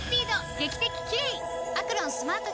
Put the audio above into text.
劇的キレイ！